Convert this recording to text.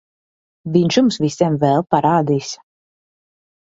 Viņš jums visiem vēl parādīs...